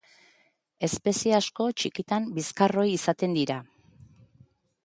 Espezie asko txikitan bizkarroi izaten dira.